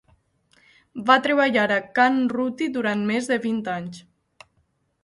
Va treballar a Can Ruti durant més de vint anys.